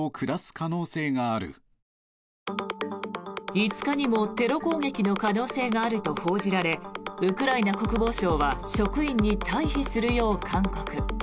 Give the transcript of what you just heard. ５日にもテロ攻撃の可能性があると報じられウクライナ国防省は職員に退避するよう勧告。